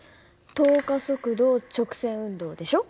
等加速度直線運動でしょ？